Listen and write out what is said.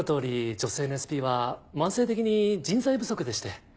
女性のＳＰは慢性的に人材不足でして。